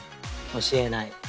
教えない。